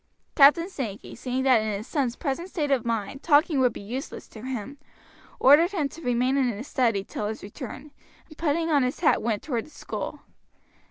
Captain Sankey seeing that in his son's present state of mind talking would be useless to him, ordered him to remain in his study till his return, and putting on his hat went toward the school.